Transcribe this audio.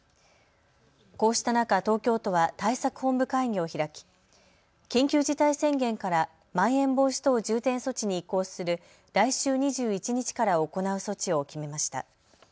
こうした中、東京都は対策本部会議を開き緊急事態宣言からまん延防止等重点措置に移行する来週２１日から行う措置を決めました。